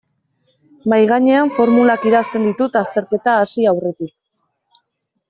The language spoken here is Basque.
Mahaigainean formulak idazten ditut azterketa hasi aurretik.